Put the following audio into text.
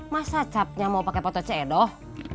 masa capnya mau pakai foto cedoh